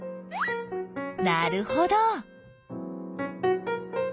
なるほど。